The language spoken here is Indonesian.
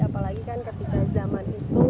apalagi kan ketika zaman itu